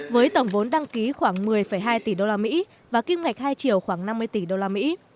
với tổng vốn đăng ký khoảng một mươi hai tỷ usd và kinh ngạch hai triệu khoảng năm mươi tỷ usd